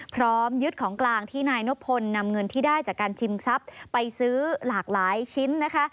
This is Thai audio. พร้อมยึดของกลางที่นายนพลนำเงินที่ได้จากการชิงทรัพย์ไปซื้อหลากหลายชิ้นนะคะ